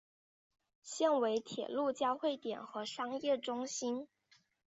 现为铁路交会点和商业中心。